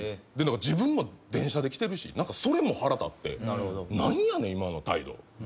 で自分は電車で来てるし何かそれも腹立って何やねん今の態度！